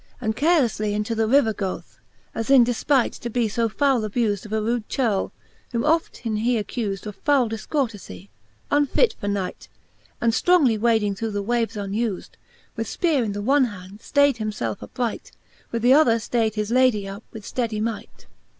And carelefly into the river goth, As in defpight to be fb fowie abufed Of 9 rude churle, whom often he accufed Of fowIe difcourtefie, unfit for Knight ; And ftrongly wading through the waves unufedy With fpeare in th one hand, ftayd himfelfe upright. With th other ftaide \h Lady up with fteddy might.